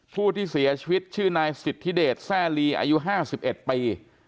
ผู้ที่เสียชีวิตชื่อนายสิทธิเดชแซ่ลีอายุห้าสิบเอ็ดปี